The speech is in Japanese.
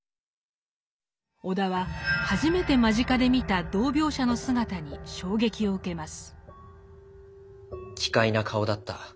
尾田は初めて間近で見た同病者の姿に衝撃を受けます。